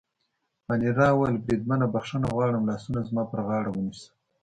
مانیرا وویل: بریدمنه، بخښنه غواړم، لاسونه زما پر غاړه ونیسه.